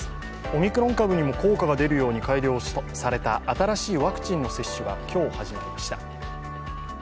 オミクロン株にも効果が出るように改良された新しいワクチンの接種が今日始まりました。